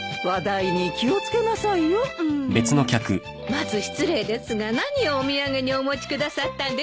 まず失礼ですが何をお土産にお持ちくださったんでしょうか。